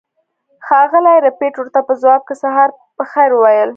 ښاغلي ربیټ ورته په ځواب کې سهار په خیر وویل